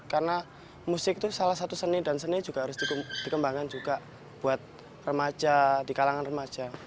karena musik itu salah satu seni dan seni juga harus dikembangkan juga buat remaja di kalangan remaja